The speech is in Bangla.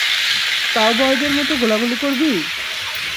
কাউবয়দের মতো গোলাগুলি করবি?